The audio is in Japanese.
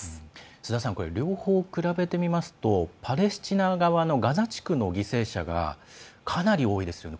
須田さん両方比べて見ますとパレスチナ側のガザ地区の犠牲者がかなり多いですよね